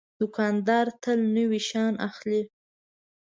دوکاندار تل نوي شیان اخلي.